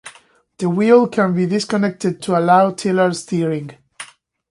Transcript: The wheel can be disconnected to allow tiller steering.